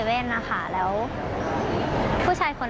ฟังเสียงของนักศึกษาหญิงเล่าเรื่องนี้ให้ฟังหน่อยครับ